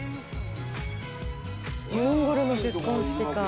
モンゴルの結婚式か。